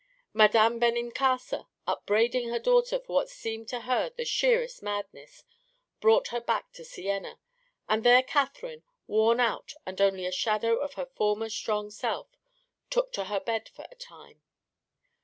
Madame Benincasa, upbraiding her daughter for what seemed to her the sheerest madness, brought her back to Siena, and there Catherine, worn out and only a shadow of her former strong self, took to her bed for a time.